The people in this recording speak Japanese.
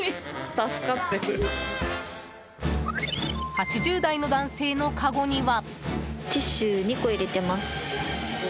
８０代の男性のかごには。